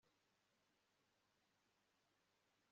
ntabwo inyanja yose umuriro we ushobora kuzimya